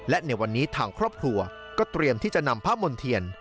และในวันนี้ทางครอบครัวก็เตรียมที่จะนำพระมณ์เทียน